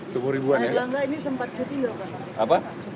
pak erlangga ini sempat cuti nggak pak